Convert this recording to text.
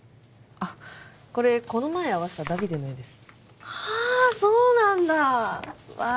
あっこれこの前会わせたダビデの絵ですああそうなんだわあ